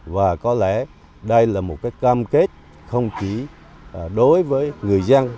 và có lẽ đây là một cam kết không chỉ đối với người dân